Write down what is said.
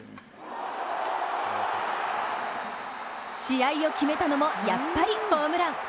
試合を決めたのも、やっぱりホームラン。